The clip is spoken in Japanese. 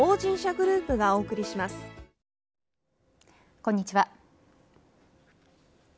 こんにちは。